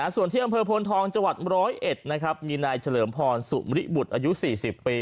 ส่วนเที่ยวเผอร์พลทองจร้อยเอ็ดมีนายเฉลิมพรสุมริบุตรอายุ๔๐ปี